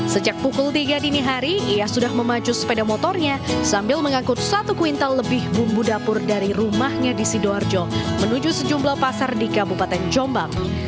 sejak pukul tiga dini hari ia sudah memacu sepeda motornya sambil mengangkut satu kuintal lebih bumbu dapur dari rumahnya di sidoarjo menuju sejumlah pasar di kabupaten jombang